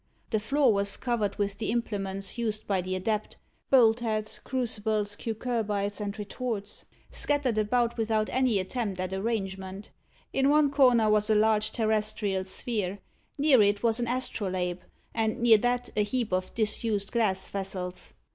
The floor was covered with the implements used by the adept bolt heads, crucibles, cucurbites, and retorts, scattered about without any attempt at arrangement. In one corner was a large terrestrial sphere: near it was an astrolabe, and near that a heap of disused glass vessels.